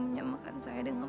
menyamakan saya dengan